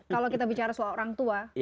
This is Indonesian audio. kalau kita bicara soal orang tua